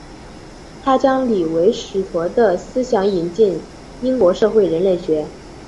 他将李维史陀的思想引进英国社会人类学。